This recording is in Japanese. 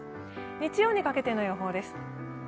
日曜にかけての予報です。